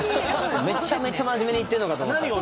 めちゃめちゃ真面目に言ってるのかと思ったら。